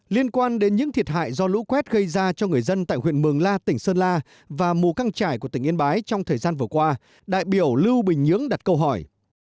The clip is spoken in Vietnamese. liên quan đến những thiệt hại do lũ quét gây ra cho người dân tại huyện mường la tỉnh sơn la và mù căng trải của tỉnh yên bái trong thời gian vừa qua đại biểu lưu bình nhưỡng đặt câu hỏi